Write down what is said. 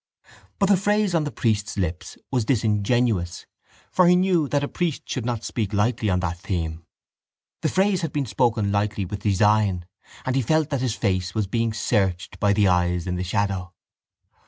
But the phrase on the priest's lips was disingenuous for he knew that a priest should not speak lightly on that theme. The phrase had been spoken lightly with design and he felt that his face was being searched by the eyes in the shadow.